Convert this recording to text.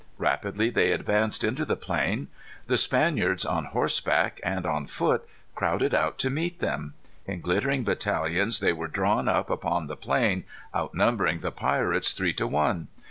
Rapidly they advanced into the plain. The Spaniards, on horseback and on foot, crowded out to meet them. In glittering battalions they were drawn up upon the plain, outnumbering the pirates three to one.